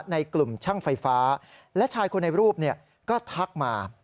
ในกลุ่มช่างไฟฟ้าและชายคนในรูปก็ทักมา